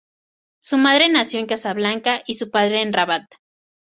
Su madre nació en Casablanca y su padre en Rabat.